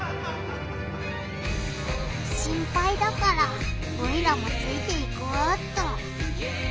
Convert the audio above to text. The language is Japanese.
心ぱいだからオイラもついていこうっと。